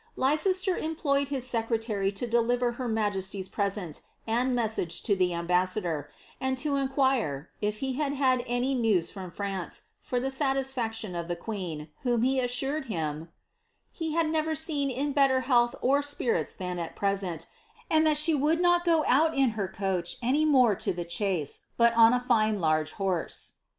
'' Ldceater employed his aecrei to deliver her majesly's present and message to the ambassador, and I inquire, if he had had any nrws from f 'rancp, for the wnisfarlkm of ih queen, whom he assured him " he had never seen in better health c spirits than at present ; and that she would not go out in her coach an more to the chaae, but on a fine large horse."